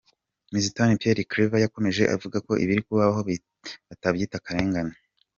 Me Zitoni Pierre Claver yakomeje avuga ko ibiri kubabaho batabyita akarengane.